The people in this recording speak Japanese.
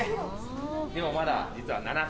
でもまだ実は。